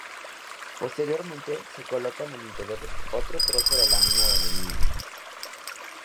Posteriormente se coloca en el interior otro trozo de lámina de aluminio.